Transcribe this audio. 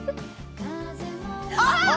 あっ！